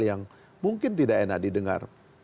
yang mungkin tidak enak didengar